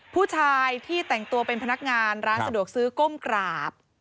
ผู้ชายที่แต่งตัวเป็นพนักงานร้านสะดวกซื้อก้มกราบ